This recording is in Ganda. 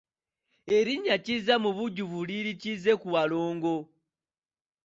Erinnya Kizza mu bujjuvu liri Kizzekubalongo.